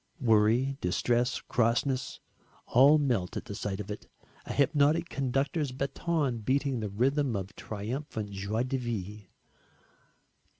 Worry, distress, crossness, all melt at the sight of it a hypnotic conductor's, baton beating the rhythm of triumphant joie de vivre.